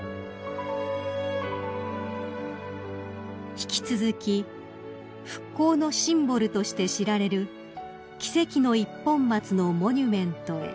［引き続き復興のシンボルとして知られる奇跡の一本松のモニュメントへ］